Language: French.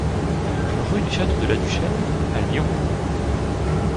Rue du Château de la Duchère à Lyon